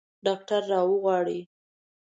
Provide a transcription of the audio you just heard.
ډاکټر راوغواړئ